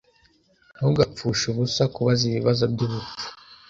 Ntugapfushe ubusa kubaza ibibazo byubupfu.